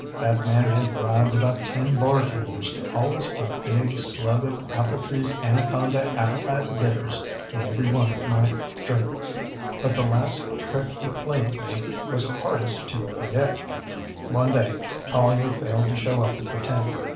That man had bribed about ten bartenders to always put a big slug of AppletreeŌĆÖs Anaconda Appetite Bitters in every one of my drinks. But the last trick he played me was hardest to forget. ŌĆ£One day Collier failed to show up at the tent.